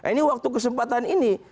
ini waktu kesempatan ini